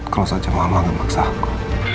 kalau saja mama ngebaksaku